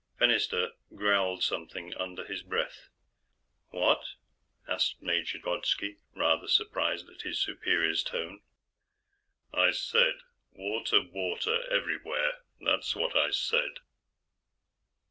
Fennister growled something under his breath. "What?" asked Major Grodski, rather surprised at his superior's tone. "I said: 'Water, water, everywhere ', that's what I said."